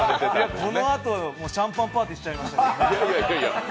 このあと、シャンパンパティーしちゃいましたけどね。